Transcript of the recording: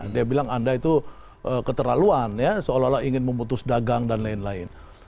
dia bilang anda itu keterlaluan ya seolah olah ingin memutus dagang dan lain lain